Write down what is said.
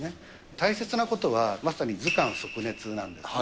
大切なことは、まさに頭寒足熱なんですね。